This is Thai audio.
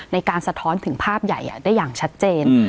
สะท้อนถึงภาพใหญ่ได้อย่างชัดเจน